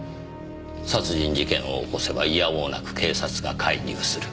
殺人事件を起こせばいや応なく警察が介入する。